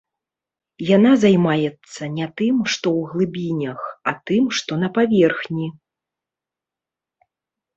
Яна займаецца не тым, што ў глыбінях, а тым, што на паверхні.